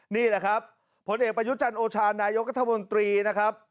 นี่แหละครับผลเอกประยุจันทร์โอชานายกรัฐมนตรีนะครับ